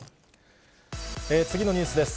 次のニュースです。